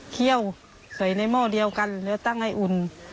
เคี่ยวใส่ในหม้อเดียวกันแล้วตั้งให้อุ่น